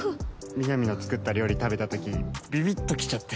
ミナミの作った料理食べたときビビッときちゃって。